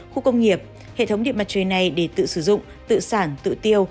khu công nghiệp hệ thống điện mặt trời này để tự sử dụng tự sản tự tiêu